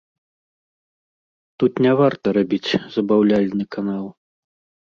Тут не варта рабіць забаўляльны канал.